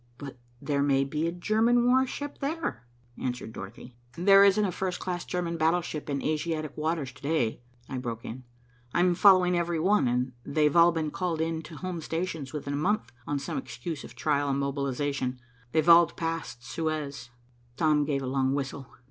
"But there may be a German warship there," answered Dorothy. "There isn't a first class German battleship in Asiatic waters to day," I broke in. "I'm following every one, and they've all been called in to home stations within a month, on some excuse of trial mobilization. They've all passed Suez." Tom gave a long whistle.